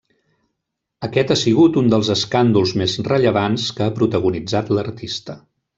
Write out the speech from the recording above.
Aquest ha sigut un dels escàndols més rellevants que ha protagonitzat l'artista.